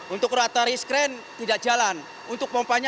untuk rotary screen tidak jalan untuk pompanya